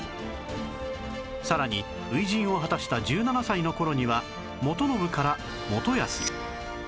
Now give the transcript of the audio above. さらに初陣を果たした１７歳の頃には元信から元康に